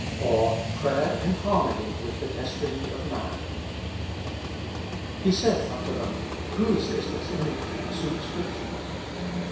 *' or, Prayer in harmony with the Destiny of Man. He saith unto them, Whose is this image and superscrip' Hon